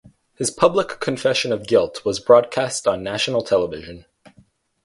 His public confession of guilt was broadcast on national television.